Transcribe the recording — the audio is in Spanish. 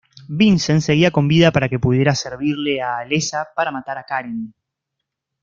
Vincent seguía con vida para que pudiera servirle a Alessa para matar a Karen.